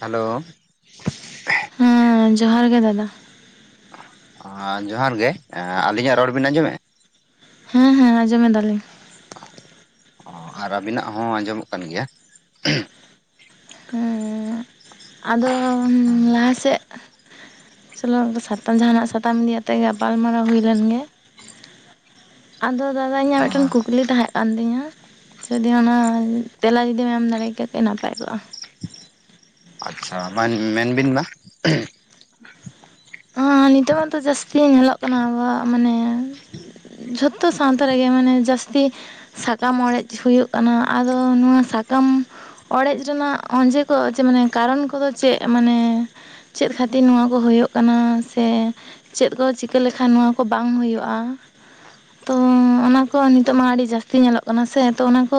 Hello. ᱦᱮᱸ ᱡᱚᱦᱟᱨ ᱜᱮ ᱫᱟᱫᱟ᱾ ᱦᱟᱸ ᱡᱚᱦᱟᱨ ᱜᱮ ᱟᱹᱞᱤᱧᱟᱜ ᱨᱚᱲ ᱵᱤᱱ ᱟᱸᱡᱚᱢᱮᱜᱼᱟ? ᱦᱮᱸ ᱦᱮᱸ ᱟᱸᱡᱚᱢᱮᱫᱟᱞᱤᱧ᱾ ᱚ ᱟᱨ ᱟᱹᱵᱤᱱᱟᱜ ᱦᱚᱸ ᱟᱸᱡᱚᱢᱚᱜ ᱠᱟᱱ ᱜᱮᱭᱟ᱾ ᱦᱮᱸ ᱟᱫᱚ ᱞᱟᱦᱟ ᱥᱮᱫ ᱥᱟᱛᱟᱢ ᱡᱟᱦᱟᱱᱟᱜ ᱥᱟᱛᱟᱢ ᱤᱫᱤᱭᱟᱛᱮᱜ ᱜᱟᱯᱟᱞ ᱢᱟᱨᱟᱣ ᱦᱩᱭ ᱞᱮᱱ ᱜᱮ᱾ ᱟᱫᱚ ᱫᱟᱫᱟ ᱤᱧᱟᱹᱜ ᱢᱤᱫᱴᱮᱱ ᱠᱩᱠᱞᱤ ᱛᱟᱦᱮᱸ ᱠᱟᱱ ᱛᱤᱧᱟ ᱡᱩᱫᱤ ᱚᱱᱟ ᱛᱮᱞᱟ ᱡᱩᱫᱤᱢ ᱮᱢ ᱫᱟᱲᱮ ᱠᱟᱜ ᱠᱮᱭᱟ ᱱᱟᱯᱟᱭ ᱠᱚᱜ-ᱟ᱾ ᱟᱪᱪᱷᱟ ᱢᱮᱱ ᱵᱤᱱ ᱢᱟ᱾ ᱦᱮᱸ ᱱᱤᱛᱚᱜ ᱢᱟᱛᱚ ᱡᱟᱹᱥᱛᱤ ᱧᱮᱞᱚᱜ ᱠᱟᱱᱟ ᱟᱵᱚᱣᱟᱜ ᱢᱟᱱᱮ ᱡᱷᱚᱛᱚ ᱥᱟᱶᱛᱟ ᱨᱮᱜᱮ ᱢᱟᱱᱮ ᱡᱟᱹᱥᱛᱤ ᱥᱟᱠᱟᱢ ᱚᱲᱮᱡ ᱦᱩᱭᱩᱜ ᱠᱟᱱᱟ ᱟᱫᱚ ᱱᱚᱣᱟ ᱥᱟᱠᱟᱢ ᱚᱲᱮᱡ ᱨᱮᱱᱟᱜ ᱚᱸᱡᱮ ᱠᱚ ᱡᱮ ᱢᱟᱱᱮ ᱠᱟᱨᱚᱱ ᱠᱚᱫᱚ ᱪᱮᱫ? ᱢᱟᱱᱮ ᱪᱮᱫ ᱠᱷᱟᱹᱛᱤᱨ ᱱᱚᱶᱟ ᱠᱚ ᱦᱳᱭᱳᱜ ᱠᱟᱱᱟ ᱥᱮ ᱪᱮᱫ ᱠᱚ ᱪᱤᱠᱟᱹ ᱞᱮᱠᱷᱟᱱ ᱱᱚᱣᱟ ᱠᱚ ᱵᱟᱝ ᱦᱩᱭᱩᱜ-ᱟ᱾ ᱛᱚ ᱚᱱᱟ ᱠᱚ ᱱᱤᱛᱚᱜ ᱢᱟ ᱟᱹᱰᱤ ᱡᱟᱹᱥᱛᱤ ᱧᱮᱞᱚᱜ ᱠᱟᱱᱟ ᱥᱮ ᱛᱚ ᱚᱱᱟ ᱠᱚ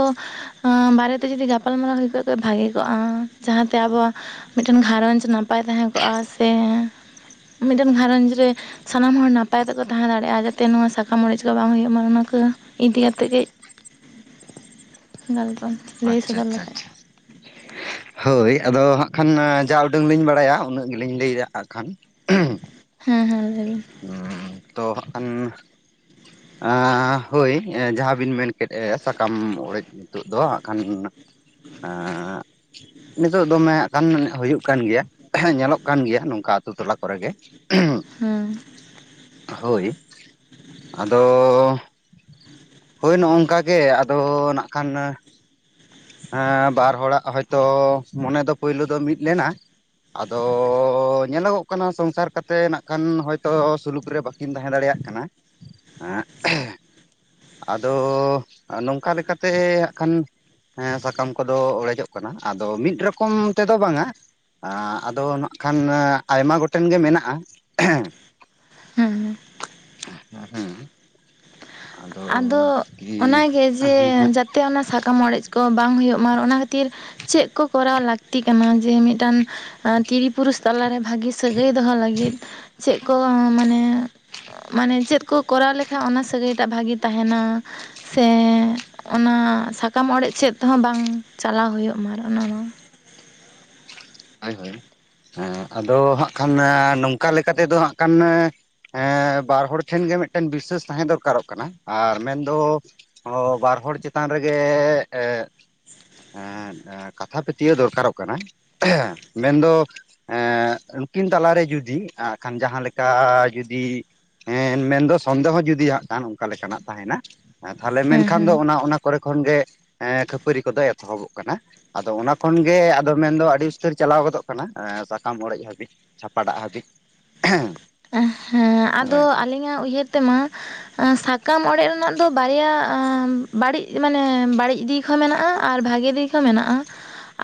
ᱵᱟᱨᱮᱛᱮ ᱡᱩᱫᱤ ᱜᱟᱯᱟᱞ ᱢᱟᱨᱟᱣ ᱦᱩᱭ ᱠᱚᱜ-ᱟ ᱵᱷᱟᱜᱤ ᱠᱚᱜ-ᱟ ᱡᱟᱦᱟᱸᱛᱮ ᱟᱵᱚᱣᱟᱜ ᱢᱤᱫᱴᱮᱱ ᱜᱷᱟᱨᱚᱸᱡᱽ ᱱᱟᱯᱟᱭ ᱛᱟᱦᱮᱸ ᱠᱚᱜ-ᱟ ᱥᱮ ᱢᱤᱫᱴᱮᱱ ᱜᱷᱟᱨᱚᱸᱡ ᱨᱮ ᱥᱟᱱᱟᱢ ᱦᱚᱲ ᱱᱟᱯᱟᱭ ᱛᱮᱠᱚ ᱛᱟᱦᱮᱸ ᱫᱟᱲᱮᱭᱟᱜ-ᱟ ᱡᱟᱛᱮ ᱱᱚᱣᱟ ᱥᱟᱠᱟᱢ ᱚᱲᱮᱡ ᱠᱚ ᱵᱟᱝ ᱦᱩᱭᱩᱜ ᱢᱟ ᱚᱱᱟ ᱠᱚ ᱤᱫᱤ ᱠᱟᱛᱮᱫ [unintelligible] ᱜᱚᱞᱯᱚ ᱞᱟᱹᱭ ᱟᱪᱪᱷᱟ ᱥᱚᱫᱚᱨ ᱟᱪᱪᱷᱟ ᱞᱮᱠᱷᱟᱡ, ᱟᱪᱪᱷᱟ ᱦᱳᱭ ᱟᱫᱚ ᱦᱟᱸᱜ ᱠᱷᱟᱱ ᱡᱟ ᱩᱰᱟᱹᱝ ᱞᱤᱧ ᱵᱟᱲᱟᱭᱟ ᱩᱱᱟᱹᱜ ᱜᱮᱞᱤᱧ ᱞᱟᱹᱭᱫᱟ ᱦᱟᱸᱜ ᱠᱷᱟᱱ᱾ ᱦᱮᱸ ᱦᱮᱸ ᱞᱟᱹᱭ ᱵᱤᱱ᱾ ᱛᱚ ᱦᱟᱸᱜ ᱠᱷᱟᱱ ᱟᱸ ᱦᱳᱭ ᱡᱟᱦᱟᱸ ᱵᱤᱱ ᱢᱮᱱ ᱠᱮᱫ ᱥᱟᱠᱟᱢ ᱚᱲᱮᱡ ᱱᱤᱛᱳᱜ ᱫᱚ ᱦᱟᱸᱜ ᱠᱷᱟᱱ ᱱᱤᱛᱳᱜ ᱫᱚᱢᱮ ᱦᱟᱸᱜ ᱠᱷᱟᱱ ᱦᱩᱭᱩᱜ ᱠᱟᱱ ᱜᱮᱭᱟ ᱾ ᱧᱮᱞᱚᱜ ᱠᱟᱱ ᱜᱮᱭᱟ ᱱᱚᱝᱠᱟ ᱟᱛᱩ ᱴᱚᱞᱟ ᱠᱚᱨᱮᱜᱮ, ᱦᱮᱸ, ᱦᱳᱭ ᱟᱫᱚ ᱦᱳᱭ ᱱᱚ ᱱᱚᱝᱠᱟ ᱜᱮ ᱟᱫᱚ ᱱᱟᱜ ᱠᱷᱟᱱ ᱦᱮᱸ ᱵᱟᱨ ᱦᱚᱲᱟᱜ ᱦᱚᱭᱛᱳ ᱢᱚᱱᱮ ᱫᱚ ᱯᱳᱭᱞᱳ ᱫᱚ ᱢᱤᱫ ᱞᱮᱱᱟ ᱾ ᱟᱫᱚ ᱧᱮᱞᱚᱜᱚᱜ ᱠᱟᱱᱟ ᱥᱚᱝᱥᱟᱨ ᱠᱟᱛᱮᱫ ᱱᱟᱜ ᱠᱷᱟᱱ ᱦᱚᱭᱛᱳ ᱥᱩᱞᱩᱠ ᱨᱮ ᱵᱟᱝ ᱠᱤᱱ ᱛᱟᱦᱮᱸ ᱫᱟᱲᱮᱭᱟᱜ ᱠᱟᱱᱟ, ᱟᱫᱚ ᱱᱚᱝᱠᱟ ᱞᱮᱠᱟᱛᱮ ᱦᱟᱸᱜ ᱠᱷᱟᱱ ᱦᱮᱸ ᱥᱟᱠᱟᱢ ᱠᱚᱫᱚ ᱚᱲᱮᱡᱚᱜ ᱠᱟᱱᱟ ᱟᱫᱚ ᱢᱤᱫ ᱨᱚᱠᱚᱢ ᱛᱮᱫᱚ ᱵᱟᱝᱟ, ᱟᱫᱚ ᱱᱟᱜ ᱠᱷᱟᱱ ᱟᱭᱢᱟ ᱜᱚᱴᱮᱱ ᱜᱮ ᱢᱮᱱᱟᱜ-ᱟ, [unintelligible] [unintelligible] ᱟᱫᱚ ᱠᱤ ᱚᱱᱟᱜᱮ ᱡᱮ ᱡᱟᱛᱮ ᱚᱱᱟ ᱥᱟ ᱠᱟᱢ ᱚᱲᱮᱡ ᱠᱚ ᱵᱟᱝ ᱦᱩᱭᱩᱜ ᱢᱟ ᱚᱱᱟ ᱠᱷᱟᱹᱛᱤᱨ ᱪᱮᱫ ᱠᱚ ᱠᱚᱨᱟᱣ ᱞᱟᱹᱠᱛᱤ ᱠᱟᱱᱟ? ᱡᱮ ᱢᱤᱫᱴᱟᱝ ᱛᱤᱨᱤ ᱯᱩᱨᱩᱥ ᱛᱟᱞᱟᱨᱮ ᱵᱷᱟᱹᱜᱤ ᱥᱟᱹᱜᱟᱹᱭ ᱫᱚᱦᱚ ᱞᱟᱹᱜᱤᱫ ᱪᱮᱫ ᱠᱚ ᱢᱟᱱᱮ ᱢᱟᱱᱮ ᱪᱮᱫ ᱠᱚ ᱠᱚᱨᱟᱣ ᱞᱮᱠᱷᱟᱡ ᱚᱱᱟ ᱥᱟᱹᱜᱟᱹᱭ ᱴᱟᱜ ᱵᱷᱟᱜᱤ ᱛᱟᱦᱮᱱᱟ? ᱥᱮ ᱚᱱᱟ ᱥᱟᱠᱟᱢ ᱚᱲᱮᱡ ᱥᱮᱫ ᱛᱮᱦᱚᱸ ᱵᱟᱝ ᱪᱟᱞᱟᱣ ᱦᱩᱭᱩᱜ ᱢᱟ ᱚᱱᱮ ᱚᱱᱟ᱾ ᱦᱳᱭ ᱦᱳᱭᱸ ᱟᱫᱚ ᱦᱟᱸᱜ ᱠᱷᱟᱱ ᱱᱚᱝᱠᱟ ᱞᱮᱠᱟ ᱛᱮᱫᱚ ᱦᱟᱸᱜ ᱠᱷᱟᱱ ᱦᱮᱸ ᱵᱟᱨ ᱦᱚᱲ ᱴᱷᱮᱱ ᱜᱮ ᱢᱤᱫᱴᱮᱱ ᱵᱤᱥᱥᱟᱹᱥ ᱛᱟᱦᱮᱸ ᱫᱚᱨᱠᱟᱨᱚᱜ ᱠᱟᱱᱟ ᱟᱨ ᱢᱮᱱᱫᱚ ᱚ ᱵᱟᱨ ᱦᱚᱲ ᱪᱮᱛᱟᱱ ᱨᱮᱜᱮ ᱮ ᱮ ᱠᱟᱛᱷᱟ ᱯᱟᱹᱛᱭᱟᱹᱣ ᱫᱚᱨᱠᱟᱨᱚᱜ ᱠᱟᱱᱟ ᱢᱮᱱᱫᱚ ᱮᱸ ᱩᱱᱠᱤᱱ ᱛᱟᱞᱟᱨᱮ ᱡᱩᱫᱤ ᱟᱜ ᱠᱷᱟᱱ ᱡᱟᱦᱟᱸ ᱞᱮᱠᱟ ᱡᱩᱫᱤ ᱦᱮᱸ ᱢᱮᱱᱫᱚ ᱥᱚᱱᱫᱮᱦᱚ ᱡᱩᱫᱤ ᱦᱟᱸᱜ ᱚᱱᱠᱟ ᱞᱮᱠᱟᱱᱟᱜ ᱛᱟᱦᱮᱱᱟ ᱛᱟᱦᱞᱮ ᱦᱮᱸ ᱢᱮᱱᱠᱷᱟᱱ ᱦᱮᱸ ᱫᱚ ᱚᱱᱟ ᱚᱱᱟ ᱠᱚᱨᱮ ᱠᱷᱚᱱ ᱜᱮ ᱠᱷᱟᱹᱯᱟᱹᱨᱤ ᱠᱚᱫᱚ ᱮᱛᱚᱦᱚᱵᱚᱜ ᱠᱟᱱᱟ ᱟᱫᱚ ᱚᱱᱟ ᱠᱷᱚᱱ ᱜᱮ ᱟᱫᱚ ᱢᱮᱱᱫᱚ ᱟᱹᱰᱤ ᱩᱛᱟᱹᱨ ᱪᱟᱞᱟᱣ ᱜᱚᱫᱚᱜ ᱠᱟᱱᱟ ᱥᱟᱠᱟᱢ ᱚᱲᱮᱡ ᱦᱟᱹᱵᱤᱡ, ᱪᱷᱟᱯᱟᱴᱟᱜ ᱦᱟᱹᱵᱤᱡ᱾ ᱮ ᱦᱮᱸ ᱟᱫᱚ ᱦᱳᱭ ᱟᱹᱞᱤᱧᱟᱜ ᱩᱭᱦᱟᱹᱨ ᱛᱮᱢᱟ ᱥᱟᱠᱟᱢ ᱚᱲᱮᱡ ᱨᱮᱱᱟᱜ ᱫᱚ ᱵᱟᱨᱭᱟ ᱵᱟᱲᱤᱡ ᱢᱟᱱᱮ ᱵᱟᱲᱤᱡ ᱫᱤᱠ ᱦᱚᱸ ᱢᱮᱱᱟᱜ-ᱟ ᱟᱨ ᱵᱷᱟᱜᱮ ᱫᱤᱠ ᱦᱚᱸ ᱢᱮᱱᱟᱜ-ᱟ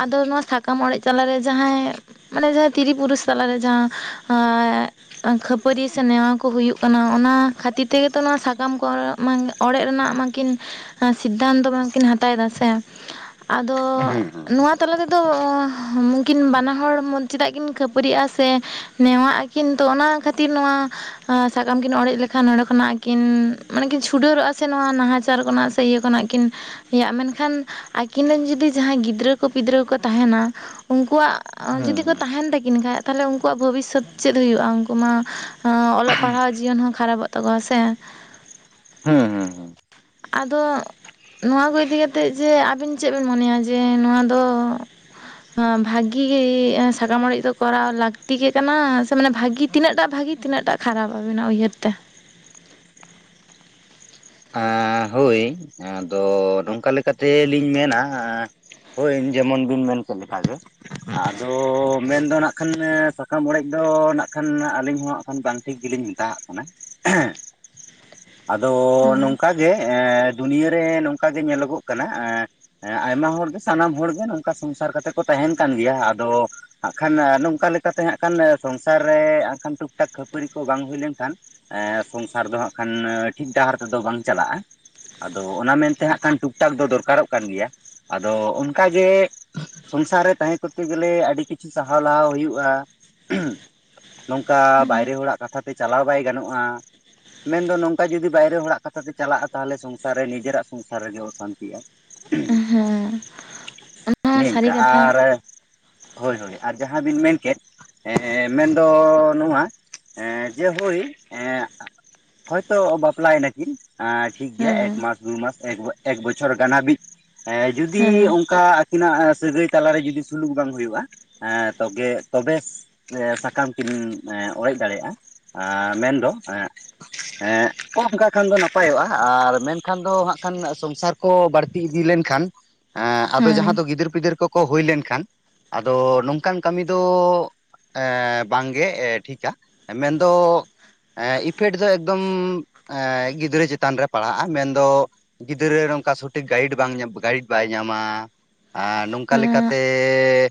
ᱟᱫᱚ ᱱᱚᱣᱟ ᱥᱟᱠᱟᱢ ᱚᱲᱮᱡ ᱛᱟᱞᱟᱨᱮ ᱡᱟᱦᱟᱸᱭ ᱢᱟᱱᱮ ᱡᱟᱦᱟᱸ ᱛᱤᱨᱤ ᱯᱩᱨᱩᱥ ᱛᱟᱞᱟᱨᱮ ᱡᱟᱦᱟᱸ ᱠᱷᱟᱹᱯᱟᱹᱨᱤᱭᱟᱹ ᱥᱮ ᱱᱮᱣᱟᱜ ᱠᱚ ᱦᱩᱭᱩᱜ ᱠᱟᱱᱟ ᱚᱱᱟ ᱠᱷᱟᱹᱛᱤᱨ ᱛᱮᱜᱮ ᱛᱚ ᱱᱚᱣᱟ ᱥᱟᱠᱟᱢ ᱠᱚ ᱚᱲᱮᱡ ᱨᱮᱱᱟᱜ ᱢᱟᱠᱤᱱ ᱥᱤᱫᱽᱫᱷᱟᱱᱛᱚ ᱵᱟᱝᱠᱤᱱ ᱦᱟᱛᱟᱣ ᱮᱫᱟ ᱥᱮ ᱟᱫᱚ ᱦᱩᱸ ᱦᱩᱸ ᱱᱚᱣᱟ ᱛᱟᱞᱟ ᱨᱮ ᱫᱚ ᱩᱱᱠᱤᱱ ᱵᱟᱱᱟ ᱦᱚᱲ ᱢᱚᱱ ᱪᱮᱫᱟᱜ ᱠᱤᱱ ᱠᱷᱟᱹᱯᱟᱹᱨᱤᱜ-ᱟ ᱥᱮ ᱱᱮᱣᱟᱜ ᱠᱤᱱ ᱛᱚ ᱚᱱᱟ ᱠᱷᱟᱹᱛᱤᱨ ᱱᱚᱣᱟ ᱦᱚ ᱥᱟᱠᱟᱢ ᱠᱤᱱ ᱚᱲᱮᱡ ᱞᱮᱠᱷᱟᱱ ᱱᱚᱸᱰᱮ ᱠᱷᱚᱱᱟᱜ ᱠᱤᱱ ᱢᱟᱱᱮ ᱠᱤᱱ ᱪᱷᱩᱰᱟᱹᱨᱚᱜ-ᱟ ᱥᱮ ᱱᱚᱣᱟ ᱱᱟᱦᱟᱪᱟᱨ ᱠᱷᱚᱱᱟᱜ ᱥᱮ ᱤᱭᱟᱹ ᱠᱷᱚᱱᱟᱜ ᱠᱤᱱ ᱤᱭᱟᱹᱜ-ᱟ ᱢᱮᱱᱠᱷᱟᱱ ᱟᱹᱠᱤᱱ ᱨᱮᱱ ᱡᱩᱫᱤ ᱡᱟᱦᱟᱸᱭ ᱜᱤᱫᱽᱨᱟᱹ ᱠᱚ ᱯᱤᱫᱽᱨᱟᱹ ᱠᱚ ᱛᱟᱦᱮᱱᱟ ᱩᱱᱠᱩᱣᱟᱜ ᱦᱩᱸ ᱡᱩᱫᱤ ᱠᱚ ᱛᱟᱦᱮᱱ ᱛᱟᱹᱠᱤᱱ ᱠᱷᱟᱡ ᱛᱟᱦᱚᱞᱮ ᱩᱱᱠᱩᱣᱟᱜ ᱵᱷᱚᱵᱤᱥᱚᱛ ᱪᱮᱫ ᱦᱩᱭᱩᱜ-ᱟ ᱩᱱᱠᱩ ᱢᱟ ᱚᱞᱚᱜ ᱯᱟᱲᱦᱟᱜ ᱡᱤᱭᱚᱱ ᱦᱚᱸ ᱠᱷᱟᱨᱟᱯᱚᱜ ᱛᱟᱠᱚᱣᱟ ᱥᱮ ᱦᱮᱸ ᱦᱮᱸ ᱟᱫᱚ ᱱᱚᱣᱟ ᱠᱚ ᱤᱫᱤ ᱠᱟᱛᱮᱫ ᱡᱮ ᱟᱵᱮᱱ ᱪᱮᱫ ᱵᱮᱱ ᱢᱚᱱᱮᱭᱟ ᱡᱮ ᱱᱚᱣᱟ ᱫᱚ ᱱᱚᱣᱟ ᱵᱷᱟᱜᱮ ᱜᱮ ᱥᱟᱠᱟᱢ ᱚᱲᱮᱡ ᱫᱚ ᱠᱚᱨᱟᱣ ᱞᱟᱹᱠᱛᱤ ᱜᱮ ᱠᱟᱱᱟ ᱥᱮ ᱢᱟᱱᱮ ᱵᱷᱟᱜᱤ ᱛᱤᱱᱟᱹᱜ ᱴᱟᱜ ᱵᱷᱟᱜᱮ ᱛᱤᱱᱟᱹᱜ ᱴᱟᱜ ᱠᱷᱟᱨᱟᱯᱟ ᱟᱵᱤᱱᱟᱜ ᱩᱭᱦᱟᱹᱨ ᱛᱮ ᱟᱻ ᱦᱳᱭ ᱟᱫᱚ ᱱᱚᱝᱠᱟ ᱞᱮᱠᱟᱛᱮ ᱞᱤᱧ ᱢᱮᱱᱟ ᱦᱳᱭ ᱡᱮᱢᱚᱱ ᱵᱤᱱ ᱢᱮᱱ ᱠᱮᱫ ᱞᱮᱠᱟ ᱜᱮ ᱟᱫᱚ ᱢᱮᱱᱫᱚ ᱱᱟᱜ ᱠᱷᱟᱱ ᱥᱟᱠᱟᱢ ᱚᱲᱮᱡ ᱫᱚ ᱱᱟᱜ ᱠᱷᱟᱱ ᱟᱹᱞᱤᱧ ᱦᱚᱸᱦᱟᱜ ᱮᱠᱷᱟᱱ ᱵᱟᱝ ᱴᱷᱤᱠ ᱜᱤᱞᱤᱧ ᱢᱮᱛᱟᱣᱟᱜ ᱠᱟᱱᱟ ᱟᱫᱚ ᱦᱩᱸ ᱱᱚᱝᱠᱟᱜ ᱜᱮ ᱫᱩᱱᱭᱟᱹᱨᱮ ᱱᱚᱝᱠᱟ ᱜᱮ ᱧᱮᱞᱚᱜᱚᱜ ᱠᱟᱱᱟ ᱦᱮᱸ ᱟᱭᱢᱟ ᱦᱚᱲᱜᱮ ᱥᱟᱱᱟᱢ ᱦᱚᱲᱜᱮ ᱱᱚᱝᱠᱟ ᱥᱚᱝᱥᱟᱨ ᱠᱟᱛᱮᱜ ᱠᱚ ᱛᱟᱦᱮᱱ ᱠᱟᱱ ᱜᱮᱭᱟ ᱟᱫᱚ ᱦᱟᱸᱜ ᱠᱷᱟᱱ ᱱᱚᱝᱠᱟ ᱞᱮᱠᱟᱛᱮ ᱦᱟᱸᱜ ᱠᱷᱟᱱ ᱥᱚᱝᱥᱟᱨ ᱨᱮ ᱦᱟᱸᱜ ᱠᱷᱟᱱ ᱴᱩᱠ ᱴᱟᱠ ᱠᱷᱟᱹᱯᱟᱹᱨᱤ ᱠᱚ ᱵᱟᱝ ᱦᱩᱭ ᱞᱮᱱᱠᱷᱟᱱ, ᱮ ᱥᱚᱝᱥᱟᱨ ᱫᱚ ᱦᱟᱸᱜ ᱠᱷᱟᱱ ᱴᱷᱤᱠ ᱰᱟᱦᱟᱨ ᱛᱮᱫᱚ ᱵᱟᱝ ᱪᱟᱞᱟᱜ-ᱟ ᱟᱫᱚ ᱚᱱᱟ ᱢᱮᱱᱛᱮ ᱦᱟᱸᱜ ᱠᱷᱟᱱ ᱴᱩᱠ ᱴᱟᱠ ᱫᱚ ᱫᱚᱨᱠᱟᱨᱚᱜ ᱠᱟᱱ ᱜᱮᱭᱟ ᱟᱫᱚ ᱚᱱᱠᱟᱜᱮ ᱥᱚᱝᱥᱟᱨ ᱨᱮ ᱛᱟᱦᱮᱸ ᱠᱚᱨᱛᱮ ᱜᱮᱞᱮ ᱟᱹᱰᱤ ᱠᱤᱪᱷᱩ ᱥᱟᱦᱟᱣ ᱞᱟᱦᱟᱣ ᱦᱩᱭᱩᱜ-ᱟ᱾ ᱱᱚᱝᱠᱟ ᱵᱟᱭᱨᱮ ᱦᱚᱲᱟᱜ ᱠᱟᱛᱷᱟ ᱛᱮ ᱪᱟᱞᱟᱣ ᱵᱟᱭ ᱜᱟᱱᱚᱜ-ᱟ ᱢᱮᱱᱫᱚ ᱱᱚᱝᱠᱟ ᱡᱩᱫᱤ ᱵᱟᱭᱨᱮ ᱦᱚᱲᱟᱜ ᱠᱟᱛᱷᱟ ᱛᱮ ᱪᱟᱞᱟᱜ-ᱟ ᱛᱟᱦᱚᱞᱮ ᱥᱚᱝᱥᱟᱨ ᱨᱮ ᱱᱤᱡᱮᱨᱟᱜ ᱥᱚᱝᱥᱟᱨ ᱨᱮᱜᱮ ᱚᱥᱟᱱᱛᱤᱜ-ᱟ ᱦᱮᱸ ᱚᱱᱟ ᱦᱚᱸ ᱱᱤᱝᱠᱟ ᱥᱟᱹᱨᱤ ᱠᱟᱛᱷᱟ ᱟᱨ ᱦᱳᱭ ᱦᱳᱭ ᱟᱨ ᱡᱟᱦᱟᱸ ᱵᱤᱱ ᱢᱮᱱᱠᱮᱫ ᱮᱸ ᱢᱮᱱᱫᱚ ᱱᱚᱣᱟ ᱮᱸ ᱡᱮ ᱦᱳᱭ ᱮ ᱦᱚᱭᱛᱚ ᱵᱟᱯᱞᱟᱭ ᱱᱟ ᱠᱤᱱ ᱟ ᱴᱷᱤᱠ ᱜᱮᱭᱟ ᱦᱮᱸ ᱮᱠᱢᱟᱥ ᱫᱩᱢᱟᱥ ᱮᱠ ᱵᱚ ᱮᱠ ᱵᱚᱪᱷᱚᱨ ᱜᱟᱱ ᱦᱟᱹᱵᱤᱡ ᱮ ᱡᱩᱫᱤ ᱦᱮᱸ ᱚᱱᱠᱟ ᱟᱹᱠᱤᱱᱟᱜ ᱥᱟᱹᱜᱟᱹᱭ ᱛᱟᱞᱟᱨᱮ ᱡᱩᱫᱤ ᱥᱩᱞᱩᱠ ᱵᱟᱝ ᱦᱩᱭᱩᱜ-ᱟ ᱦᱮᱸ ᱛᱚᱜᱮ ᱛᱚᱵᱮ ᱡᱮ ᱥᱟᱠᱟᱢ ᱠᱤᱱ ᱚᱲᱮᱡ ᱫᱟᱲᱮᱭᱟᱜ-ᱟ ᱟ ᱢᱮᱱᱫᱚ ᱦᱮᱸ [unintelligible] ᱠᱷᱟᱱ ᱫᱚ ᱱᱟᱯᱟᱭᱚᱜ-ᱟ ᱟᱨ ᱢᱮᱱᱠᱷᱟᱱ ᱫᱚ ᱦᱟᱸᱜ ᱠᱷᱟᱱ ᱥᱚᱝᱥᱟᱨ ᱠᱚ ᱵᱟᱲᱛᱤ ᱤᱫᱤ ᱞᱮᱱᱠᱷᱟᱱ ᱮᱸ ᱟᱫᱚ ᱡᱟᱦᱟᱸ ᱦᱮᱸ ᱫᱚ ᱜᱤᱫᱟᱹᱨ ᱯᱤᱫᱟᱹᱨ ᱠᱚᱠᱚ ᱦᱩᱭ ᱞᱮᱱᱠᱷᱟᱱ ᱟᱫᱚ ᱱᱚᱝᱠᱟᱱ ᱠᱟᱹᱢᱤ ᱫᱚ ᱮ ᱵᱟᱝᱜᱮ ᱮ ᱴᱷᱤᱠᱟ ᱢᱮᱱᱫᱚ ᱮ ᱤᱯᱷᱮᱴ ᱫᱚ ᱮᱠᱫᱚᱢ ᱮ ᱜᱤᱫᱽᱨᱟᱹ ᱪᱮᱛᱟᱱ ᱨᱮ ᱯᱟᱲᱦᱟᱜ-ᱟ ᱢᱮᱱᱫᱚ ᱜᱤᱫᱽᱨᱟᱹ ᱚᱱᱠᱟ ᱥᱚᱴᱷᱤᱠ ᱜᱟᱭᱤᱴ ᱵᱟᱝ ᱧᱟᱢ ᱜᱟᱭᱤᱰ ᱵᱟᱭ ᱧᱟᱢᱟ ᱟᱨ ᱱᱚᱝᱠᱟ ᱦᱮᱸ ᱞᱮᱠᱟᱛᱮ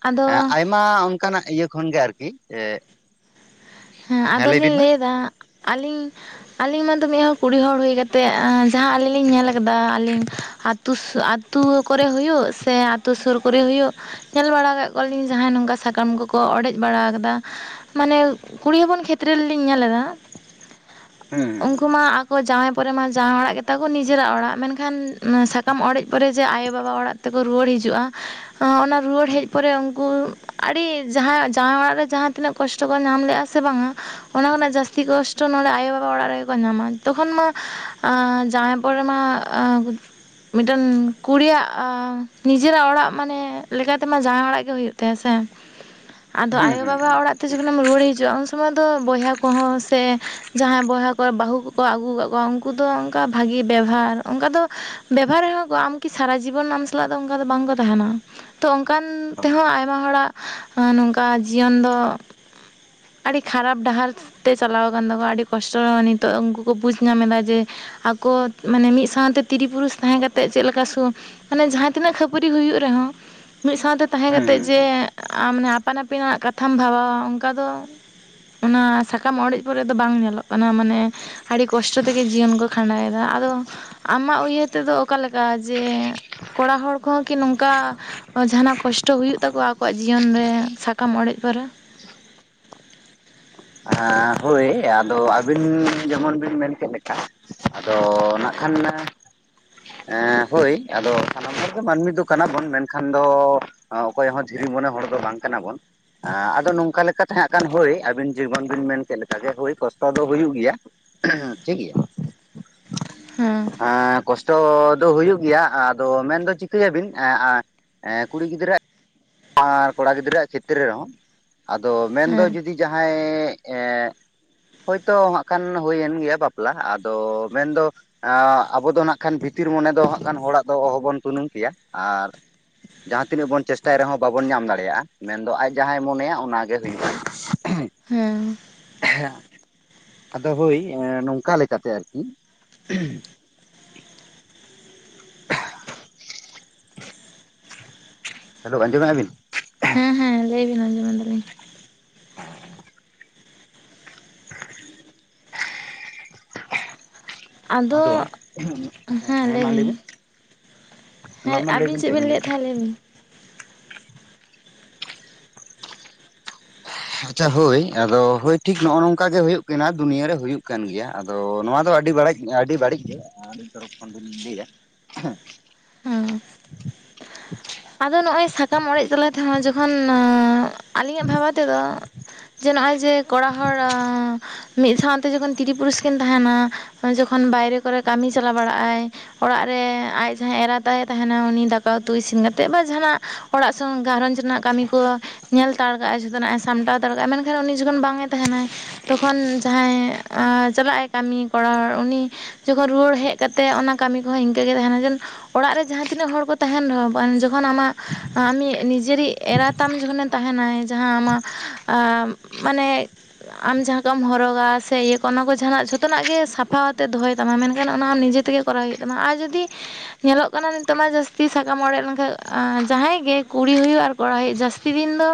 ᱟᱫᱚ ᱟᱭᱢᱟ ᱚᱱᱠᱟᱱᱟᱜ ᱤᱭᱟᱹ ᱠᱷᱚᱱᱜᱮ ᱟᱨᱠᱤ ᱮ ᱦᱮᱸ ᱟᱫᱚᱞᱤᱧ ᱞᱟᱹᱭ ᱮᱫᱟ ᱟᱞᱤᱧ ᱟᱞᱤᱧ ᱢᱟᱛᱚ ᱢᱤᱜ ᱦᱚᱲ ᱠᱩᱲᱤ ᱦᱚᱲ ᱦᱩᱭ ᱠᱟᱛ ᱛᱮ ᱟ ᱡᱟᱦᱟᱸ ᱟᱹᱞᱤᱧ ᱞᱤᱧ ᱧᱮᱞ ᱟᱠᱟᱫᱟ ᱟᱹᱞᱤᱧ ᱟᱹᱛᱩ ᱟᱛᱳ ᱠᱚᱨᱮ ᱦᱩᱭᱩᱜ ᱥᱮ ᱟᱛᱳ ᱥᱩᱨ ᱠᱚᱨᱮ ᱦᱩᱭᱩᱜ ᱧᱮᱞ ᱵᱟᱲᱟ ᱟᱠᱟᱜ ᱠᱚᱣᱟᱞᱤᱧ ᱡᱟᱦᱟᱸᱭ ᱱᱚᱝᱠᱟ ᱥᱟᱠᱟᱢ ᱠᱚᱠᱚ ᱚᱲᱮᱡ ᱵᱟᱲᱟᱣ ᱠᱟᱫᱟ ᱢᱟᱱᱮ ᱠᱩᱲᱤ ᱦᱚᱯᱚᱱ ᱠᱷᱮᱛᱨᱮ ᱨᱮᱞᱤᱧ ᱧᱮᱞ ᱮᱫᱟ ᱦᱩᱸ ᱩᱱᱠᱩ ᱢᱟ ᱚ ᱡᱟᱸᱶᱟᱭ ᱯᱚᱨᱮ ᱢᱟ ᱡᱟᱸᱶᱟᱭ ᱚᱲᱟᱜ ᱜᱮᱛᱟ ᱠᱚ ᱱᱤᱡᱮᱨᱟᱜ ᱚᱲᱟᱜ ᱢᱮᱱᱠᱷᱟᱱ ᱱᱚᱣᱟ ᱥᱟᱠᱟᱢ ᱚᱲᱮᱡ ᱯᱚᱨᱮ ᱡᱮ ᱟᱭᱳ ᱵᱟᱵᱟ ᱚᱲᱟᱜ ᱛᱮᱠᱚ ᱨᱩᱣᱟᱹᱲ ᱦᱤᱡᱩᱜᱼᱟ ᱟ ᱚᱱᱟ ᱨᱩᱣᱟᱹᱲ ᱦᱮᱡ ᱯᱚᱨᱮ ᱩᱱᱠᱩ ᱟᱹᱰᱤ ᱡᱟᱦᱟᱸ ᱡᱟᱣᱟᱸᱭ ᱚᱲᱟᱜ ᱨᱮ ᱡᱟᱦᱟᱸ ᱛᱤᱱᱟᱹᱜ ᱠᱚᱥᱴᱚ ᱠᱚ ᱧᱟᱢ ᱞᱮᱜᱟ ᱥᱮ ᱵᱟᱝᱟ ᱚᱱᱟ ᱠᱷᱚᱱᱟᱜ ᱡᱟᱹᱥᱛᱤ ᱠᱚᱥᱴᱚ ᱱᱚᱰᱮ ᱟᱭᱳ ᱵᱟᱵᱟ ᱚᱲᱟᱜ ᱨᱮᱜᱮ ᱠᱚ ᱧᱟᱢᱟ ᱛᱚᱠᱷᱚᱱ ᱢᱟ ᱟ ᱡᱟᱸᱶᱟᱭ ᱯᱚᱨᱮ ᱢᱟ ᱟ ᱢᱤᱜᱴᱮᱱ ᱠᱩᱲᱤᱭᱟᱜ ᱱᱤᱡᱮᱨᱟᱜ ᱚᱲᱟᱜ ᱢᱟᱱᱮ ᱞᱮᱠᱟᱛᱮᱢᱟ ᱡᱟᱸᱶᱟᱭ ᱚᱲᱟᱜ ᱜᱮ ᱦᱩᱭᱩᱜ ᱛᱟᱭᱟ ᱥᱮ᱾ [inaudible] ᱟᱫᱚ ᱟᱭᱳ ᱦᱩᱸ ᱦᱩᱸ ᱦᱩᱸ ᱵᱟᱵᱟ ᱦᱩᱸ ᱚᱲᱟᱜ ᱛᱮ ᱡᱚᱠᱷᱚᱱᱮᱢ ᱨᱩᱣᱟᱹᱲ ᱦᱤᱡᱩᱜᱼᱟ ᱩᱱ ᱥᱩᱢᱟᱭ ᱫᱚ ᱵᱚᱭᱦᱟ ᱠᱚᱦᱚᱸ ᱥᱮ ᱡᱟᱦᱟᱸᱭ ᱵᱚᱭᱦᱟ ᱠᱚᱨᱮ ᱵᱟᱹᱦᱩ ᱠᱚᱠᱚ ᱟᱹᱜᱩ ᱠᱟᱜ ᱠᱚᱣᱟ ᱩᱱᱠᱩ ᱫᱚ ᱚᱱᱠᱟ ᱵᱷᱟᱜᱤ ᱵᱮᱵᱷᱟᱨ ᱚᱱᱠᱟ ᱫᱚ ᱵᱮᱵᱦᱟᱨ ᱨᱮᱦᱚᱸ ᱠᱚ ᱟᱢ ᱠᱤ ᱥᱟᱨᱟ ᱡᱤᱵᱚᱱ ᱟᱢ ᱥᱟᱞᱟᱜ ᱫᱚ ᱚᱱᱠᱟ ᱫᱚ ᱵᱟᱝᱠᱚ ᱛᱟᱦᱮᱱᱟ᱾ ᱛᱚ ᱚᱱᱠᱟᱱ ᱦᱳᱭ ᱛᱮᱦᱚᱸ ᱟᱭᱢᱟ ᱦᱚᱲᱟᱜ ᱱᱚᱝᱠᱟ ᱡᱤᱭᱚᱱ ᱫᱚ [inaudible] ᱟᱹᱰᱤ ᱠᱷᱟᱨᱟᱯ ᱰᱟᱦᱟᱨ ᱛᱮ ᱪᱟᱞᱟᱣ ᱟᱠᱟᱱ ᱛᱟᱠᱚᱱᱟ ᱟᱹᱰᱤ ᱠᱚᱥᱴᱚ ᱱᱤᱛᱚᱜ ᱩᱱᱠᱩ ᱠᱩ ᱵᱩᱡᱽ ᱧᱟᱢ ᱮᱫᱟ ᱡᱮ ᱟᱠᱚ ᱢᱟᱱᱮ ᱢᱤᱫ ᱥᱟᱶᱛᱮ ᱛᱤᱨᱤ ᱯᱩᱨᱩᱥ ᱛᱟᱦᱮᱸ ᱠᱟᱛᱮᱜ ᱪᱮᱜ ᱞᱮᱠᱟ ᱥᱩ ᱢᱟᱱᱮ ᱡᱟᱦᱟᱸ ᱛᱤᱱᱟᱹᱜ ᱠᱷᱟᱹᱯᱟᱹᱨᱤ ᱦᱩᱭᱩᱜ ᱨᱮᱦᱚᱸ ᱢᱤᱫ ᱥᱟᱶᱛᱮ ᱛᱟᱦᱮᱸ ᱦᱩᱸ ᱦᱩᱸ ᱠᱟᱛᱮᱜ ᱡᱮ ᱦᱩᱸ ᱟᱢ ᱢᱟᱱᱮ ᱟᱯᱟᱱ ᱟᱹᱯᱤᱱᱟᱜ ᱠᱟᱛᱷᱟᱢ ᱵᱷᱟᱵᱟᱣᱟ᱾ ᱚᱱᱠᱟ ᱫᱚ ᱚᱱᱟ ᱥᱟᱠᱟᱢ ᱚᱲᱮᱡ ᱯᱚᱨᱮᱫ ᱫᱚ ᱵᱟᱝ ᱧᱮᱞᱚᱜ ᱠᱟᱱᱟ ᱢᱟᱱᱮ ᱟᱹᱰᱤ ᱠᱚᱥᱴᱚ ᱛᱮᱜᱮ ᱡᱤᱭᱚᱱ ᱠᱚ ᱠᱷᱟᱸᱰᱟᱣ ᱮᱫᱟ ᱟᱫᱚ ᱟᱢᱟᱜ ᱩᱭᱦᱟᱹᱨ ᱛᱮ ᱫᱚ ᱚᱠᱟ ᱞᱮᱠᱟ ᱡᱮ ᱠᱚᱲᱟ ᱦᱚᱲ ᱠᱚᱦᱚᱸ ᱠᱤ ᱱᱚᱝᱠᱟ ᱡᱟᱦᱟᱱᱟᱜ ᱠᱚᱥᱴᱚ ᱦᱩᱭᱩᱜ ᱛᱟᱠᱚᱣᱟ ᱟᱠᱚᱣᱟᱜ ᱡᱤᱭᱚᱱ ᱨᱮ ᱥᱟᱠ ᱟᱢ ᱚᱲᱮᱡ ᱯᱟᱨᱟ [inaudible] ᱟᱨ ᱦᱳᱭ ᱟᱫᱚ ᱟᱹᱵᱤᱱ ᱡᱮᱢᱚᱱ ᱵᱤᱱ ᱢᱮᱱ ᱠᱮᱜ ᱞᱮᱠᱟ ᱟᱫᱚ ᱱᱟᱜ ᱠᱷᱟᱱ ᱦᱮ ᱦᱳᱭ ᱟᱫᱚ ᱥᱟᱱᱟᱢ ᱦᱚᱲ ᱫᱚᱸ ᱢᱟᱹᱱᱢᱤ ᱫᱚ ᱠᱟᱱᱟ ᱵᱚᱱ ᱢᱮᱱᱠᱷᱟᱱ ᱫᱚ ᱚᱠᱚᱭ ᱦᱚᱸ ᱫᱷᱤᱨᱤ ᱢᱚᱱᱮ ᱦᱚᱲ ᱫᱚ ᱵᱟᱝ ᱠᱟᱱᱟ ᱵᱚᱱ ᱟ ᱟᱫᱚ ᱱᱚᱝᱠᱟ ᱞᱮᱠᱟ ᱛᱮᱦᱟᱜ ᱠᱷᱟᱱ ᱦᱳᱭ ᱟᱹᱵᱤᱱ ᱡᱮᱢᱚᱱ ᱵᱤᱱ ᱢᱮᱱ ᱠᱮᱜ ᱞᱮᱠᱟ ᱜᱮ ᱦᱳᱭ ᱠᱚᱥᱴᱚ ᱫᱚᱸ ᱦᱩᱭᱩᱜ ᱜᱮᱭᱟ ᱴᱷᱤᱠᱜᱮᱭᱟ᱾ ᱦᱮᱸ ᱟ ᱠᱚᱥᱴᱚ ᱫᱚ ᱦᱩᱭᱩᱜ ᱜᱮᱭᱟ᱾ ᱟᱫᱚ ᱢᱮᱱᱫᱚ ᱪᱤᱠᱟᱹ ᱭᱟᱵᱤᱱ [inaudible] ᱠᱩᱲᱤ ᱜᱤᱫᱽᱨᱟᱹ ᱟᱨ ᱠᱚᱲᱟ ᱜᱤᱫᱽᱨᱟᱹᱣᱟᱜ ᱪᱤᱛᱤᱨᱮ ᱨᱮᱦᱚᱸ ᱟᱫᱚ ᱢᱮᱱᱫᱚ ᱦᱮᱸ ᱡᱩᱫᱤ ᱡᱟᱦᱟᱸ ᱟᱭ ᱮᱜ ᱦᱳᱭᱛᱳ ᱦᱟᱸᱜ ᱠᱷᱟᱱ ᱦᱩᱭᱮᱱ ᱜᱮᱭᱟ ᱵᱟᱯᱞᱟ ᱟᱫᱚ ᱢᱮᱱᱫᱚ ᱟ ᱟᱵᱚ ᱫᱚ ᱱᱟᱜ ᱠᱷᱟᱱ ᱵᱷᱤᱛᱤᱨ ᱢᱚᱱᱮ ᱫᱚ ᱦᱟᱸᱜ ᱠᱷᱟᱱ ᱦᱚᱲᱟᱜ ᱫᱚ ᱚᱦᱚᱵᱚᱱ ᱛᱩᱱᱩᱢ ᱠᱮᱭᱟ ᱟᱨ ᱡᱟᱦᱟᱸ ᱛᱤᱱᱟᱹᱜ ᱵᱚᱱ ᱪᱮᱥᱴᱟᱭ ᱨᱮᱦᱚᱸ ᱵᱟᱵᱚᱱ ᱧᱟᱢ ᱫᱟᱲᱮᱭᱟᱜᱼᱟ ᱢᱮᱱᱫᱚ ᱟᱡ ᱡᱟᱦᱟᱸᱭ ᱢᱚᱱᱮᱭᱟ ᱚᱱᱟᱜᱮ ᱦᱩᱭᱩᱜᱼᱟ᱾ ᱦᱩᱸ [unintelligible] ᱟᱫᱚ ᱦᱩᱭ ᱱᱚᱝᱠᱟ ᱞᱮᱠᱟᱛᱮ ᱟᱨᱠᱤ, ᱦᱮᱞᱳ ᱟᱸᱡᱚᱢᱮ-ᱟ ᱵᱤᱱ? ᱦᱮᱸ ᱦᱮᱸ ᱞᱟᱹᱭ ᱵᱤᱱ ᱟᱸᱡᱚᱢ ᱮᱫᱟᱞᱤᱧ᱾ [unintelligible] ᱟᱫᱚ ᱦᱮᱸ ᱢᱟ ᱞᱟᱹᱭ ᱵᱤᱱ, ᱢᱟ ᱦᱮᱸ ᱢᱟ ᱟᱹᱵᱤᱱ ᱞᱟᱹᱭᱵᱤᱱ ᱪᱮᱫ ᱪᱮᱜ ᱵᱤᱱ ᱞᱟᱹᱭᱮᱫ ᱛᱟᱦᱮᱸᱫ? ᱞᱟᱹᱭ ᱵᱤᱱ ᱟᱪᱪᱷᱟ ᱦᱳᱭ ᱟᱫᱚ ᱦᱳᱭ ᱴᱷᱤᱠ ᱱᱚᱜᱼᱚ ᱱᱚᱝᱠᱟ ᱜᱮ ᱦᱳᱭᱳᱜ ᱠᱟᱱᱟ ᱫᱩᱱᱤᱭᱟᱹ ᱨᱮ ᱦᱩᱭᱩᱜ ᱠᱟᱱ ᱜᱮᱭᱟ ᱟᱫ ᱛᱚ ᱱᱚᱣᱟ ᱫᱚ ᱟᱹᱰᱤ ᱰᱟᱲᱮᱡ ᱟᱹᱰᱤ ᱵᱟᱹᱲᱤᱡ ᱜᱮ ᱟᱹᱞᱤᱧ ᱛᱚᱨᱚᱯᱷ ᱠᱷᱚᱱ ᱫᱚᱞᱤᱧ ᱞᱟᱹᱭ-ᱟ᱾ ᱦᱮᱸ [unintelligible] ᱟᱫᱚ ᱱᱚᱜᱼᱚᱭ ᱥᱟᱠᱟᱢ ᱚᱲᱮᱡ ᱛᱟᱞᱟ ᱛᱮᱦᱚᱸ ᱡᱚᱠᱷᱚᱱ ᱱᱟᱜᱻ, ᱟᱹᱞᱤᱧᱟᱜ ᱵᱷᱟᱵᱟ ᱛᱮᱫᱚ ᱡᱮ ᱱᱚᱜᱼᱚᱭ ᱡᱮ ᱠᱚᱲᱟ ᱦᱚᱲ ᱢᱤᱫ ᱥᱟᱶᱛᱮ ᱡᱚᱠᱷᱚᱱ, ᱛᱤᱨᱤ ᱯᱩᱨᱩᱥ ᱠᱤᱱ ᱛᱟᱦᱮᱱᱟ ᱡᱚᱠᱷᱚᱱ ᱵᱟᱭᱨᱮ ᱠᱚᱨᱮ ᱠᱟᱹᱢᱤ ᱪᱟᱞᱟᱣ ᱵᱟᱲᱟᱜ ᱟᱭ, ᱚᱲᱟᱜ ᱨᱮ ᱟᱡ ᱡᱟᱦᱟᱸᱭ ᱮᱨᱟ ᱛᱟᱭ ᱛᱟᱦᱮᱱᱟ ᱩᱱᱤ ᱫᱟᱠᱟ ᱩᱛᱩ ᱤᱥᱤᱱ ᱠᱟᱛᱮᱫ ᱛᱮᱜ ᱵᱟ ᱡᱟᱦᱟᱱᱟᱜ ᱚᱲᱟᱜ ᱥᱚᱝ ᱜᱷᱟᱨᱚᱸᱡᱽ ᱨᱮᱱᱟᱜ ᱠᱟᱹᱢᱤ ᱠᱚ ᱧᱮᱞ ᱛᱟᱲ ᱠᱟᱜᱼᱟ ᱡᱚᱛᱱᱟᱜ ᱥᱟᱢᱴᱟᱣ ᱦᱟᱛᱟᱲᱠᱟᱜ-ᱟ ᱢᱮᱱᱠᱷᱟᱱ ᱩᱱᱤ ᱡᱚᱠᱷᱚᱱ ᱵᱟᱝᱮ ᱛᱟᱦᱮᱱᱟᱭ᱾ ᱛᱚᱠᱷᱚᱱ ᱡᱟᱦᱟᱸᱭ ᱮᱸ ᱪᱟᱞᱟᱜ-ᱟᱭ ᱠᱟᱹᱢᱤ ᱠᱚᱬᱟ ᱩᱱᱤ, ᱡᱚᱠᱷᱚᱱ ᱨᱩᱣᱟᱹᱲ ᱦᱮᱜ ᱠᱟᱛᱮᱜ ᱚᱱᱟ ᱠᱟᱢᱤ ᱠᱚᱦᱚᱸ ᱤᱝᱠᱟᱹᱜᱮ ᱛᱟᱦᱮᱱᱟ ᱡᱮᱱᱚ ᱚᱲᱟᱜ ᱨᱮ ᱡᱟᱦᱟᱸ ᱛᱤᱱᱟᱹᱜ ᱦᱚᱲ ᱠᱚ ᱛᱟᱦᱮᱱ ᱨᱮᱦᱚᱸ ᱵᱟᱝ ᱡᱚᱠᱷᱚᱱ ᱟᱢᱟᱜ ᱟᱢᱤᱜ ᱱᱤᱡᱮᱨᱤᱜ ᱮᱨᱟᱛᱟᱢ ᱡᱚᱠᱷᱚᱱᱮᱢ, ᱛᱟᱦᱮᱱᱟᱭ ᱡᱟᱦᱟᱸ ᱟᱢᱟᱜ ᱟ ᱢᱟᱱᱮ, ᱟᱢ ᱡᱟᱦᱟᱸ ᱠᱚᱢ ᱦᱚᱨᱚᱜᱟ ᱥᱮ ᱤᱭᱟᱹ ᱠᱚ ᱚᱱᱟ ᱠᱚ ᱡᱟᱦᱟᱱᱟᱜ ᱡᱷᱟᱛᱷᱚᱱᱟᱜ ᱜᱮ ᱥᱟᱯᱷᱟᱣᱟᱛᱮᱜ ᱫᱚᱦᱚᱭ ᱛᱟᱢᱟ ᱢᱮᱱᱠᱷᱟᱱ ᱚᱱᱟ ᱟᱢ ᱱᱤᱡᱮ ᱛᱮᱜᱮ, ᱠᱚᱨᱟᱣ ᱦᱩᱭᱩᱜ ᱛᱟᱢᱟ ᱟᱨ ᱡᱩᱫᱤ ᱧᱮᱞᱚᱜ ᱠᱟᱱᱟ ᱱᱤᱛᱚᱜ ᱢᱟ ᱡᱟᱹᱥᱛᱤ ᱥᱟᱠᱟᱢ ᱚᱲᱮᱡ ᱞᱮᱝᱠᱷᱟᱡ, ᱟᱸ ᱡᱟᱦᱟᱸᱭ ᱜᱮ ᱠᱩᱲᱤ ᱦᱩᱭᱩᱜ ᱟᱨ ᱠᱚᱲᱟ ᱦᱩᱭᱩᱜ ᱡᱟᱹᱥᱛᱤ ᱫᱤᱱᱫᱚ,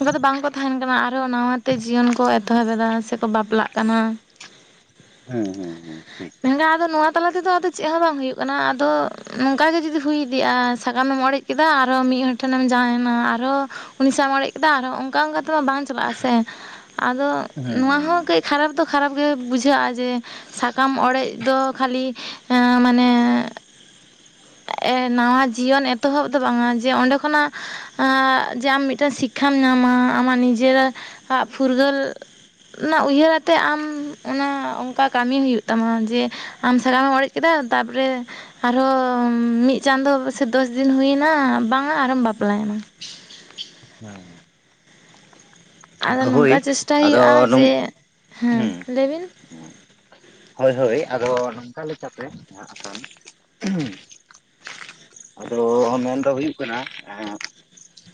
ᱚᱱᱠᱟ ᱫᱚ ᱵᱟᱝᱠᱚ ᱛᱟᱦᱮᱱ ᱠᱟᱱᱟ ᱟᱨᱚ ᱱᱟᱣᱟᱛᱮ ᱡᱤᱭᱳᱱ ᱠᱚ ᱮᱛᱚᱦᱚᱵ ᱮᱫᱟ ᱥᱮᱠᱚ ᱵᱟᱯᱞᱟᱜ ᱠᱟᱱᱟ᱾ ᱦᱮᱸ ᱦᱮᱸ ᱦᱮᱸ, ᱴᱷᱤᱠ ᱢᱮᱱᱜᱟ ᱟᱫᱚ ᱱᱚᱣᱟ ᱛᱟᱞᱟ ᱛᱮᱫᱚ ᱟᱫᱚ ᱪᱮᱜ ᱦᱚᱸ ᱵᱟᱝ ᱦᱩᱭᱩᱜ ᱠᱟᱱᱟ ᱟᱫᱚ ᱱᱚᱝᱠᱟ ᱜᱮ ᱡᱩᱫᱤ ᱦᱩᱭ ᱤᱫᱤᱜᱼᱟ ᱥᱟᱠᱟᱢᱮᱢ ᱚᱬᱮᱡ ᱠᱮᱫᱟ ᱟᱨᱚ ᱢᱤᱜ ᱦᱚᱲ ᱴᱷᱮᱱᱮᱢ ᱡᱟᱶᱟᱭᱮᱱᱟ ᱟᱨᱚ ᱩᱱᱤ ᱥᱟᱹᱣᱮᱢ ᱚᱲᱮᱡ ᱠᱮᱫᱟ ᱟᱨᱦᱚᱸ ᱚᱝᱠᱟ ᱚᱝᱠᱟ ᱛᱮᱢᱟ ᱵᱟᱝ ᱪᱟᱞᱟᱜᱼᱟᱥᱮ᱾ ᱟᱫᱚ ᱦᱮᱸ ᱱᱚᱣᱟ ᱦᱮᱸ ᱦᱚᱸ ᱠᱟᱹᱡ ᱠᱷᱟᱨᱟᱯ ᱫᱚ ᱠᱷᱟᱨᱟᱯ ᱜᱮ ᱵᱩᱡᱷᱟᱹᱜᱼᱟ ᱡᱮ, ᱥᱟᱠᱟᱢ ᱚᱲᱮᱡ ᱫᱚ ᱠᱷᱟᱹᱞᱤ ᱟᱸ ᱮ ᱢᱟᱱᱮ, ᱮ ᱱᱟᱣᱟ ᱡᱤᱭᱳᱱ ᱮᱛᱚᱦᱚᱵ ᱫᱚ ᱵᱟᱝᱟ ᱡᱮ ᱚᱸᱰᱮ ᱠᱷᱚᱱᱟᱜ ᱟᱜᱻ ᱡᱮ ᱟᱢ ᱢᱤᱫᱴᱮᱱ ᱥᱤᱠ ᱠᱷᱟᱢ ᱧᱟᱢᱟ ᱟᱢᱟᱜ ᱱᱤᱡᱮᱨᱜ ᱟᱜ ᱯᱷᱩᱨᱜᱟᱹᱞ᱾ ᱚᱱᱟ ᱩᱭᱦᱟᱹᱨ ᱟᱛᱮᱜ ᱟᱢ ᱚᱱᱟ ᱚᱝᱠᱟ ᱠᱟᱢᱤ ᱦᱩᱭᱩᱜ ᱛᱟᱢᱟ ᱡᱮ, ᱟᱢ ᱥᱟᱠᱟᱢᱮᱢ ᱚᱲᱮᱡ ᱠᱮᱫᱟ ᱛᱟᱯᱚᱨᱮ ᱟᱨᱦᱚᱸ ᱚᱢ ᱢᱤᱫ ᱪᱟᱸᱫᱚ ᱥᱮ ᱫᱚᱥ ᱫᱤᱱ ᱦᱩᱭᱱᱟ ᱵᱟᱝᱟ ᱟᱨᱮᱢ ᱵᱟᱯᱞᱟᱭᱱᱟ᱾ [unintelligible] ᱟᱫᱚ ᱱᱚᱝᱠᱟ ᱦᱳᱭ ᱪᱮᱥᱴᱟᱭ ᱦᱩᱭᱩᱜᱼᱟ ᱟᱫᱚ ᱡᱮ ᱱᱚᱝ ᱦᱮᱸ ᱦᱩᱸ ᱞᱟᱹᱭ ᱵᱤᱱ᱾ [unintelligible] ᱦᱳᱭ ᱦᱳᱭ ᱟᱫᱚ ᱱᱚᱝᱠᱟ ᱞᱮᱠᱟᱛᱮ [unintelligible] ᱟᱫᱚ ᱢᱮᱱᱫᱚ ᱦᱩᱭᱩᱜ ᱠᱟᱱᱟ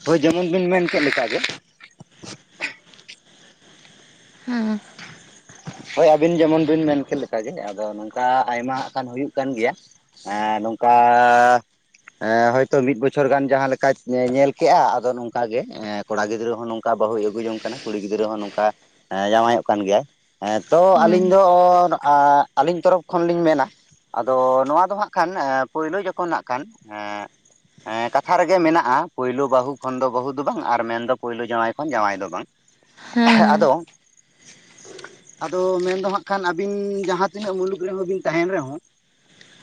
ᱦᱳᱭ ᱡᱮᱢᱚᱱ ᱵᱤᱱ ᱢᱮᱱᱠᱮᱫ ᱞᱮᱠᱟ ᱜᱮ᱾ ᱦᱩᱸ ᱦᱳᱭ ᱟᱹᱵᱤᱱ ᱡᱮᱢᱚᱱ ᱵᱤᱱ ᱢᱮᱱᱠᱮᱫ ᱞᱮᱠᱟᱜᱮ ᱟᱫᱚ ᱱᱚᱝᱠᱟ ᱟᱭᱢᱟ ᱟᱠᱷᱟᱱ ᱦᱩᱭᱩᱜ ᱠᱟᱱ ᱜᱮᱭᱟ᱾ ᱮᱸᱻ ᱱᱚᱝᱠᱟᱻ ᱮᱸ ᱦᱳᱭᱛᱳ ᱢᱤᱫ ᱵᱚᱪᱷᱚᱨ ᱜᱟᱱ ᱡᱟᱦᱟᱸᱞᱮᱠᱟᱭ ᱧᱮᱞ ᱠᱮᱜ-ᱟ ᱟᱫᱚ ᱱᱚᱝᱠᱟ ᱜᱮ ᱮᱜ᱾ ᱠᱚᱲᱟ ᱜᱤᱫᱨᱟᱹ ᱦᱚᱸ ᱱᱚᱝᱠᱟ ᱵᱟᱹᱦᱩᱭ ᱟᱹᱜᱩ ᱡᱚᱝ ᱠᱟᱱᱟ ᱠᱩᱲᱤ ᱜᱤᱫᱽᱨᱟᱹ ᱦᱚᱸ ᱱᱚᱝᱠᱟ ᱮ ᱡᱟᱶᱟᱭᱚᱜ ᱠᱟᱱ ᱜᱮᱭᱟᱭ᱾ ᱦᱮᱸ ᱛᱚ ᱦᱮᱸ ᱟᱹᱞᱤᱧ ᱫᱚ ᱱᱚᱜ-ᱟ ᱟᱹᱞᱤᱧ ᱛᱚᱨᱚᱯᱷ ᱠᱷᱚᱱ ᱞᱤᱧ ᱢᱮᱱᱟ, ᱟᱫᱚ ᱱᱚᱣᱟ ᱫᱚ ᱦᱟᱜ ᱠᱷᱟᱱ ᱯᱳᱭᱞᱳ ᱡᱚᱠᱷᱚᱱ ᱦᱟᱜ ᱠᱷᱟᱱ ᱮᱸ ᱦᱮᱸ ᱠᱟᱛᱷᱟ ᱨᱮᱜᱮ ᱢᱮᱱᱟᱜ-ᱟ ᱯᱳᱭᱞᱳ ᱵᱟᱹᱦᱩ ᱠᱷᱚᱱ ᱫᱚ ᱵᱟᱹᱦᱩ ᱫᱚ ᱵᱟᱝ ᱟᱨ ᱢᱮᱱᱫᱚ ᱯᱳᱞᱳ ᱡᱟᱶᱟᱭ ᱠᱷᱚᱱ ᱡᱟᱶᱟᱭ ᱫᱚ ᱵᱟᱝ ᱾ ᱦᱩᱸ ᱦᱩᱸ ᱾ ᱟᱫᱚ ᱢᱮᱱᱫᱚ ᱦᱟᱸᱜ ᱠᱷᱟᱱ ᱟᱵᱤᱱ ᱡᱟᱦᱟᱸ ᱛᱤᱱᱟᱹᱜ ᱢᱩᱞᱩᱠ ᱨᱮᱦᱚᱸ ᱵᱤᱱ ᱛᱟᱦᱮᱱ ᱨᱮᱦᱚᱸ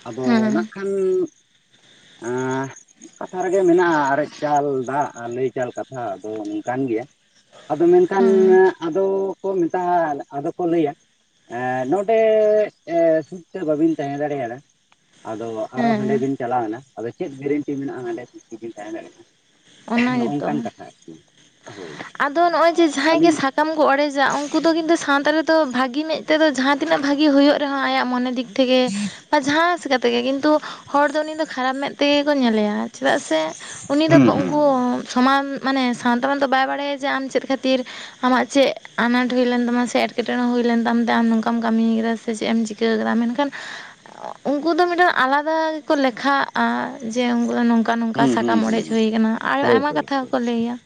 ᱟᱫᱚ ᱚ ᱦᱮᱸ ᱚᱱᱟ ᱠᱷᱟᱱ ᱟᱸᱻ ᱠᱟᱛᱷᱟ ᱨᱮᱜᱮ ᱢᱮᱱᱟᱜ-ᱟ ᱟᱨᱮᱡ ᱪᱟᱞ ᱫᱟᱜ ᱚ ᱞᱟᱹᱭ ᱪᱟᱞ ᱠᱟᱛᱷᱟ ᱟᱫᱚ ᱱᱚᱝᱠᱟᱱ ᱜᱮᱭᱟ ᱾ ᱟᱫᱚ ᱢᱮᱱᱠᱷᱟᱱ ᱦᱮᱸ ᱟᱫᱚ ᱠᱚ ᱢᱮᱛᱟᱜ-ᱟ ᱟᱞ ᱟᱫᱚ ᱠᱚ ᱞᱟᱹᱭᱟ ᱱᱚᱸᱰᱮ ᱮ ᱥᱩᱠᱛᱮ ᱵᱟᱵᱤᱱ ᱛᱮᱦᱮᱸ ᱫᱟᱲᱮᱭᱟᱫᱟ ᱾ ᱟᱫᱚ ᱟᱨᱚ ᱦᱟᱸᱰᱮ ᱦᱮᱸ ᱵᱤᱱ ᱪᱟᱞᱟᱣ ᱮᱱᱟ ᱾ ᱟᱫᱚ ᱪᱮᱫ ᱜᱮᱨᱮᱱᱴᱤ ᱢᱮᱱᱟᱜ-ᱟ ᱦᱟᱸᱰᱮ ᱥᱩᱠᱛᱮ ᱵᱮᱱ ᱛᱟᱦᱮᱸ ᱫᱟᱲᱮᱭᱟᱜ-ᱟ ᱚᱱᱟ ᱾ ᱜᱮᱛᱚ ᱱᱚᱸᱜ-ᱚᱝᱠᱟᱱ ᱠᱟᱛᱷᱟ ᱟᱨᱠᱤ ᱾ ᱟᱫᱚ ᱱᱚᱜ-ᱚᱭ ᱡᱮ ᱡᱟᱦᱟᱸᱭ ᱜᱮ ᱥᱟᱠᱟᱢ ᱠᱚ ᱚᱲᱮᱡᱟ ᱩᱱᱠᱩ ᱫᱚ ᱠᱤᱱᱛᱩ [unintelligible] ᱛᱚ ᱵᱷᱟᱜᱤ ᱢᱮᱫ ᱛᱮᱫᱚ ᱡᱟᱦᱟᱸ ᱛᱤᱱᱟᱹᱜ ᱵᱷᱟᱜᱤ ᱦᱩᱭᱩᱜ ᱨᱮᱦᱚᱸ ᱟᱭᱟᱜ ᱢᱚᱱᱮ ᱫᱤᱠ [unintelligible] ᱵᱟ ᱡᱟᱦᱟᱸ ᱥᱮᱜᱠᱟ ᱛᱮᱜᱮ ᱠᱤᱱᱛᱩ ᱦᱚᱲ ᱫᱚ ᱩᱱᱤ ᱫᱚ ᱠᱷᱟᱨᱟᱯ ᱢᱮᱫ ᱛᱮᱜᱮ ᱠᱚ ᱧᱮᱞᱮᱭᱟ ᱪᱮᱫᱟᱜ ᱥᱮ ᱩᱱᱤ ᱫᱚ ᱦᱩᱸ ᱦᱩᱸ ᱩᱝᱠᱩ ᱥᱚᱢᱟᱱ ᱢᱟᱱᱮ [unintelligible] ᱦᱚᱸᱛᱚ ᱵᱟᱭ ᱵᱟᱲᱟᱭᱟ ᱡᱮ ᱟᱢ ᱪᱮᱫ ᱠᱷᱟᱹᱛᱤᱨ ᱟᱢᱟᱜ ᱪᱮᱫ ᱟᱱᱟᱴ ᱦᱩᱭᱞᱮᱱ ᱛᱟᱢᱟ ᱥᱮ ᱮᱴᱠᱮᱴᱚᱬᱮ ᱦᱩᱭᱞᱮᱱ ᱛᱟᱢᱛᱮ ᱟᱢ ᱱᱚᱝᱠᱟᱢ ᱠᱟᱹᱢᱤᱭᱟᱠᱟᱫᱟ ᱥᱮ ᱪᱮᱫ ᱮᱢ ᱪᱤᱠ ᱪᱤᱠᱟᱹᱣ ᱟᱠᱟᱫᱟ, ᱢᱮᱱᱠᱷᱟᱱ ᱩᱝᱠᱩ ᱫᱚ ᱢᱤᱫᱴᱮᱱ ᱟᱞᱟᱫᱟ ᱜᱮᱠᱚ ᱞᱮᱠᱷᱟᱜ-ᱟ ᱡᱮ ᱩᱝᱠᱩ ᱫᱚ ᱱᱚᱝᱠ ᱱᱚᱝᱠᱟ ᱱᱚᱝᱠᱟ ᱦᱩᱸ ᱦᱩᱸ ᱥᱟᱠᱟᱢ ᱦᱩᱸ ᱚᱲᱮᱡ ᱦᱩᱭ ᱟᱠᱟᱱᱟ ᱟᱨ ᱦᱳᱭ ᱟᱭᱢᱟ ᱦᱳᱭ ᱠᱟᱛᱷᱟ ᱦᱳᱭ ᱦᱚᱸᱠᱚ ᱞᱟᱹᱭᱟ ᱾